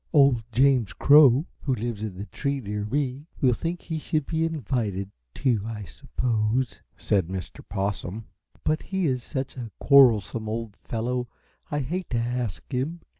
"Old James Crow, who lives in the tree near me, will think he should be invited, too, I suppose," said Mr. Possum; "but he is such a quarrelsome old fellow I hate to ask him."